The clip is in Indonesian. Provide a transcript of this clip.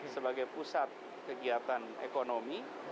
sebagai pusat kegiatan ekonomi